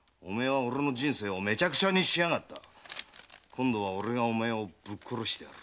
「今度は俺がお前をぶっ殺してやる。